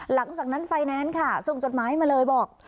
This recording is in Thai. หลังจากนั้นไฟแนนซ์ค่ะส่งจดหมายมาเลยบอก